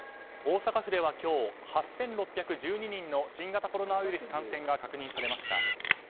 大阪府では今日８６１２人の新型コロナウイルス感染が確認されました。